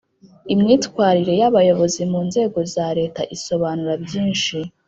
imyitwarire y Abayobozi mu Nzego za leta isobanura byinshi